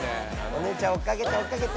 お姉ちゃん追っかけて追っかけて。